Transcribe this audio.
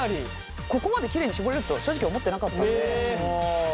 ここまできれいに絞れると正直思ってなかったので。